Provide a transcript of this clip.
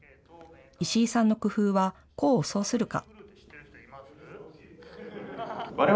石井さんの工夫は功を奏するか。